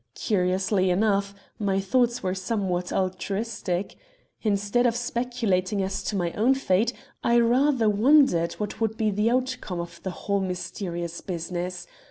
Curiously enough, my thoughts were somewhat altruistic. Instead of speculating as to my own fate I rather wondered what would be the outcome of the whole mysterious business.